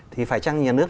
thì phải chăng nhà nước